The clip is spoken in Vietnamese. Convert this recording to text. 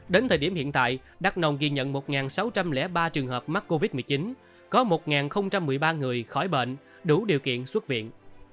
đến thời điểm hiện tại đắk nông ghi nhận một sáu trăm linh ba trường hợp mắc covid một mươi chín có một một mươi ba người khỏi bệnh đủ điều kiện xuất viện